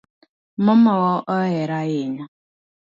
Mamawa ohera ahinya